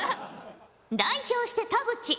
代表して田渕。